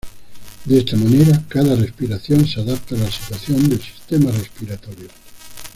De esta manera cada respiración se adapta a la situación del sistema respiratorio.